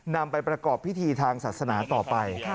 นำไปประกอบพิธีทางศาสนาต่อไป